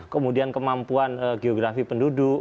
kemudian kemampuan geografi penduduk